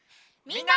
みんな！